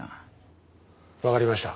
わかりました。